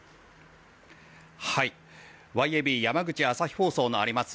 ｙａｂ山口朝日放送のあります